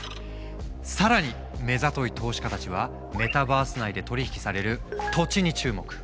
更に目ざとい投資家たちはメタバース内で取り引きされる土地に注目。